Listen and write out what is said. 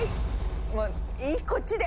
もういいこっちで。